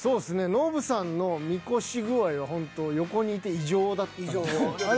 ノブさんのみこし具合はほんと横にいて異常だったんです。